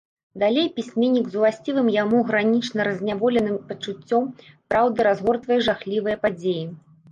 Далей пісьменнік з уласцівым яму гранічна разняволеным пачуццём праўды разгортвае жахлівыя падзеі.